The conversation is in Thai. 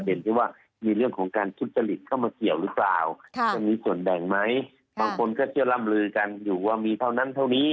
บางคนก็เชื่อร่ำลือกันอยู่ว่ามีเท่านั้นเท่านี้